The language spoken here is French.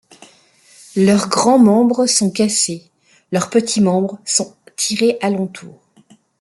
Leurs grands membres sont cassés, leurs petits membres sont tirés alentour.